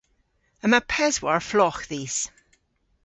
Yma peswar flogh dhis.